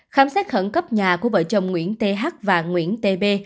khám xét khẩn cấp nhà của vợ chồng nguyễn thê hắc và nguyễn thê bê